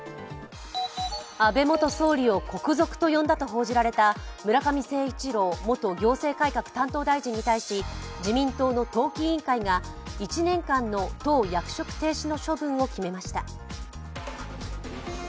安倍元総理を国賊と呼んだと報じられた村上誠一郎元行政改革担当大臣に対し、自民党の党紀委員会が１年間の党役職停止の処分を決めました。